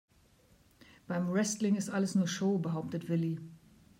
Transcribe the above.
Beim Wrestling ist alles nur Show, behauptet Willi.